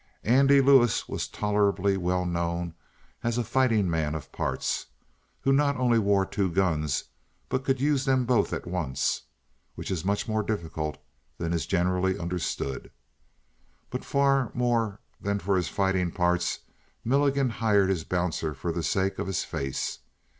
Andy Lewis was tolerably well known as a fighting man of parts, who not only wore two guns but could use them both at once, which is much more difficult than is generally understood. But far more than for his fighting parts Milligan hired his bouncer for the sake of his face.